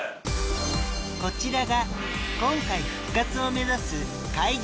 こちらが今回復活を目指す開業